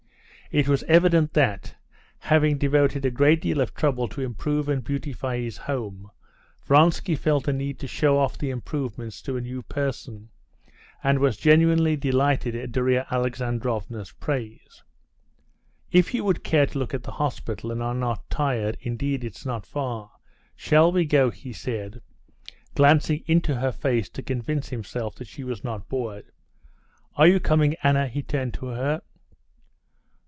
It was evident that, having devoted a great deal of trouble to improve and beautify his home, Vronsky felt a need to show off the improvements to a new person, and was genuinely delighted at Darya Alexandrovna's praise. "If you would care to look at the hospital, and are not tired, indeed, it's not far. Shall we go?" he said, glancing into her face to convince himself that she was not bored. "Are you coming, Anna?" he turned to her.